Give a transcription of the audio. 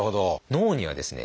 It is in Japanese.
脳にはですね